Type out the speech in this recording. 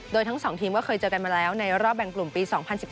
โดยทั้ง๒ทีมก็เคยเจอกันมาแล้วในรอบแบ่งกลุ่มปี๒๐๑๙